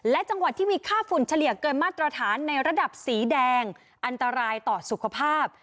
และจังหวัดที่มีค่าฝุ่นเฉลี่ยเกินมาตรฐานในระดับสีแดงอันตรายต่อสุขภาพ